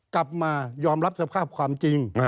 กลับมายอมรับสภาพความจริง